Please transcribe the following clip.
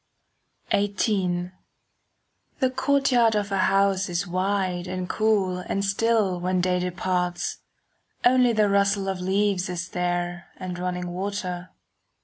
XVIII The courtyard of her house is wide And cool and still when day departs. Only the rustle of leaves is there And running water.